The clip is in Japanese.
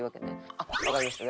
「あっわかりました。